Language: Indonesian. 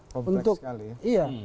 kompleks sekali ya